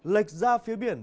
lệch ra phía biển